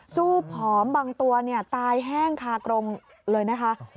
สู้ผอมบางตัวตายแห้งคากรงเลยนะคะ